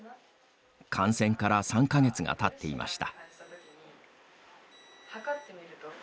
感染から３か月がたっていました。